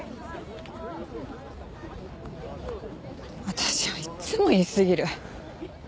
私はいっつも言い過ぎる。